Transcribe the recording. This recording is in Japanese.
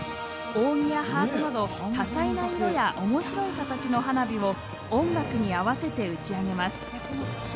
扇やハートなど多彩な色や面白い形の花火を音楽に合わせて打ち上げます。